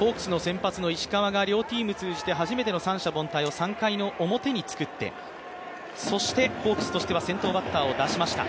ホークスの先発の石川が両チーム通じて初めての三者凡退を３回の表に作ってそしてホークスとしては先頭バッターを出しました。